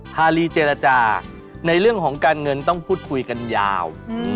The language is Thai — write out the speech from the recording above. ฮารีเจรจาในเรื่องของการเงินต้องพูดคุยกันยาว